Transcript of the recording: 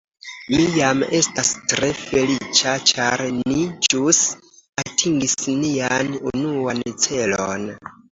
Mi jam estas tre feliĉa ĉar ni ĵus atingis nian unuan celon